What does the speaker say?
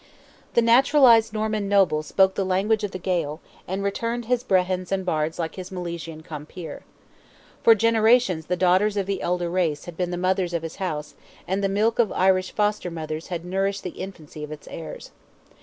The naturalized Norman noble spoke the language of the Gael, and retained his Brehons and Bards like his Milesian compeer. For generations the daughters of the elder race had been the mothers of his house; and the milk of Irish foster mothers had nourished the infancy of its heirs.